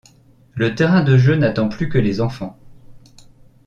le terrain de jeux n'attends plus que les enfants